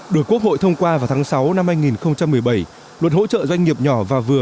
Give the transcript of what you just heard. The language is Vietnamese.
được quốc hội thông qua vào tháng sáu năm hai nghìn một mươi bảy luật hỗ trợ doanh nghiệp nhỏ và vừa